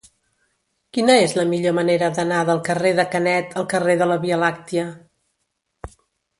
Quina és la millor manera d'anar del carrer de Canet al carrer de la Via Làctia?